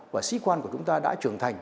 và sĩ quan của chúng ta đã trưởng thành